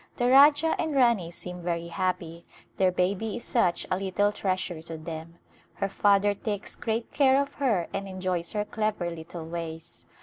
The Rajah and Rani seem very happy ; their baby is such a little treasure to them. Her father takes great care of her and enjoys her clever little ways.